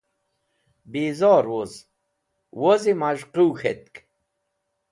Bizor wuz, wozi maz̃h quw k̃hetk